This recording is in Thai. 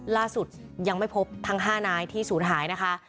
ล่าสุดยังไม่พบทั้ง๕นายที่ศูนย์หายนะคะ